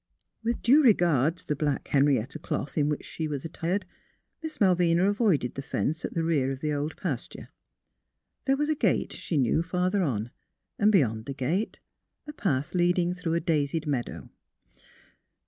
With due regard to the black Henrietta cloth in which she was attired, Miss Malvina avoided the fence at the rear of the old pasture. There was a gate, she knew, farther on ; and beyond the gate a path leading through a daisied meadow.